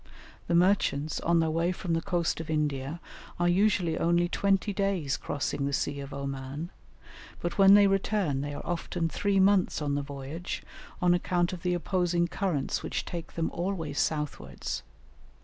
The merchants on their way from the coast of India are usually only twenty days crossing the Sea of Oman; but when they return they are often three months on the voyage on account of the opposing currents which take them always southwards.